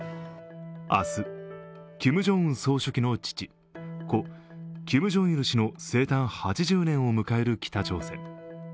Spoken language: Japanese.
明日、キム・ジョンウン総書記の父、故キム・ジョンイル氏の生誕８０年を迎える北朝鮮。